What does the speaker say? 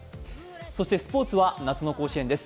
そして、スポーツは夏の甲子園です。